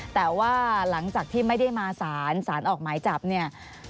แต่ว่าหลังจากที่ไม่ได้มาสารสารออกหมายจับเนี่ย